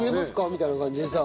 みたいな感じでさ。